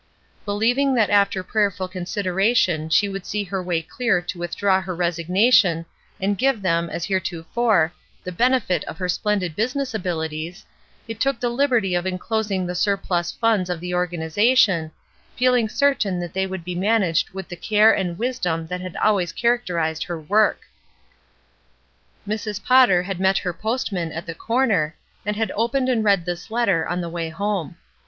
BeUeving that after prayerful consideration she would see her way clear to withdraw her resignation and give them, as heretofore, the benefit of her splendid business abilities, they THE ^'NEST EGG" 367 took the liberty of enclosing the surplus funds of the organization, feeUng certain that they would be managed with the care and wisdom that had always characterized her work. Mrs. Potter had met her postman at the corner, and had opened and read this letter on the way home.